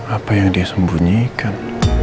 apa yang dia sembunyikan